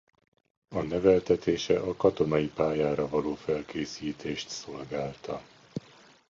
A neveltetése a katonai pályára való felkészítést szolgálta.